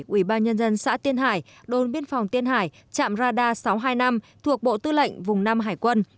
ủy ban nhân dân xã tiên hải đồn biên phòng tiên hải trạm radar sáu trăm hai mươi năm thuộc bộ tư lệnh vùng năm hải quân